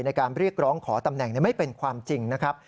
ในการเรียกร้องขอตำแหน่งไม่เป็นความจริงนะครับ